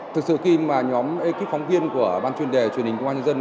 thực sự khi mà nhóm ekip phóng viên của ban chuyên đề truyền hình công an nhân dân